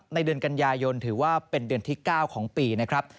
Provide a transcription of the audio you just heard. เดือนกันยายนถือว่าเป็นเดือนที่๙ของปีนะครับ